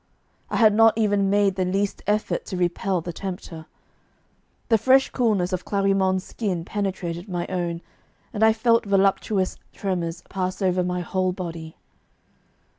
I had not even made the least effort to repel the tempter. The fresh coolness of Clarimonde's skin penetrated my own, and I felt voluptuous tremors pass over my whole body.